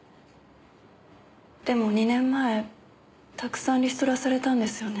でも２年前たくさんリストラされたんですよね。